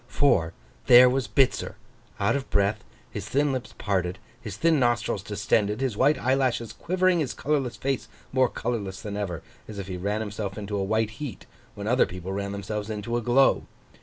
For, there was Bitzer, out of breath, his thin lips parted, his thin nostrils distended, his white eyelashes quivering, his colourless face more colourless than ever, as if he ran himself into a white heat, when other people ran themselves into a glow.